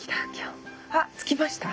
あ着きました。